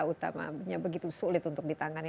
utamanya begitu sulit untuk ditangani